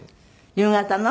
夕方の？